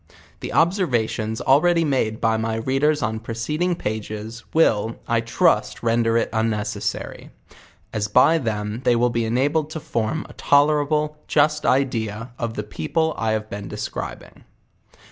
The observations already made by my readers on proceeding pace's, will, I trust render it unnecessary; as by them they will be enabled to form a tolerable juet idea of the people I have been descri bing.